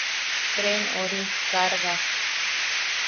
Treen... ori... kaarga....